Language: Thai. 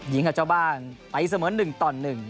ยิงหัวเจ้าบ้านตะยิกเสมอ๑ต่อ๑